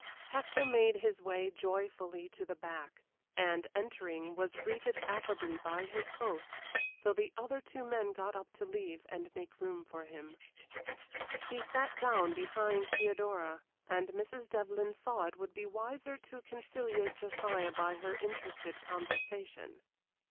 Hector made his way joyfully to the back, and, entering, was greeted affably by his host, so the other two men got up to leave to make room for him. He sat down behind Theodora, and Mrs. Devlyn saw it would be wiser to conciliate Josiah by her interested conversation.